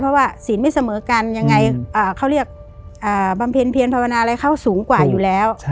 เพราะว่าศีลไม่เสมอกันยังไงเขาเรียกบำเพ็ญเพียรภาวนาอะไรเขาสูงกว่าอยู่แล้ว